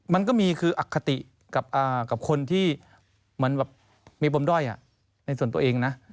มันก็มีคืออัคคติกับคนที่มีบมด้อยในส่วนตัวเองนะ